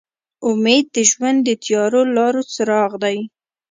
امید د ژوند د تیاره لارو څراغ دی.